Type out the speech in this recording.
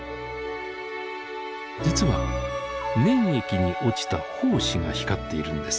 実は粘液に落ちた胞子が光っているんです。